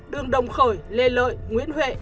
đường đồng khởi lê lợi nguyễn huệ